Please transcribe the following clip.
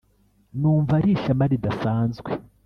numva ari ishema ridasanzwe